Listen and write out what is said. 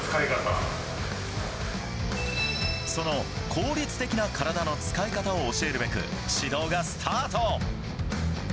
その効率的な体の使い方を教えるべく、指導がスタート。